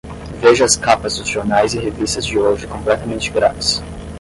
Veja as capas dos jornais e revistas de hoje completamente grátis.